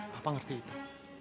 papa ngerti itu